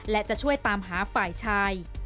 และจะช่วยตามหาฝ่ายชาย